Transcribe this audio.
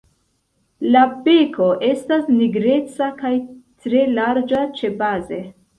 La beko estas nigreca kaj tre larĝa ĉebaze.